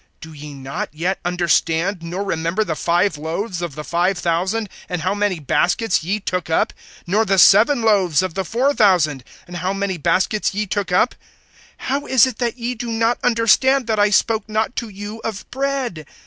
(9)Do ye not yet understand, nor remember the five loaves of the five thousand, and how many baskets ye took up? (10)Nor the seven loaves of the four thousand, and how many baskets ye took up? (11)How is it that ye do not understand, that I spoke not to you of bread?